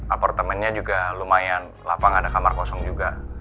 apartemennya juga lumayan lapang ada kamar kosong juga